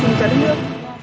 xin cho đất nước